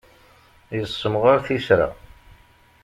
Yessemɣaṛ tisra.